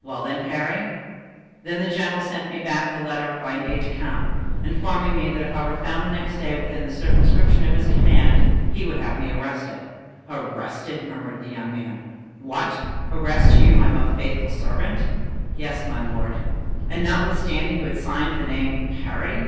"Well—then, Parry." "Then the general sent me back the letter by an aide de camp, informing me that if I were found the next day within the circumscription of his command, he would have me arrested." "Arrested!" murmured the young man. "What! arrest you, my most faithful servant?" "Yes, my lord." "And notwithstanding you had signed the name Parry?"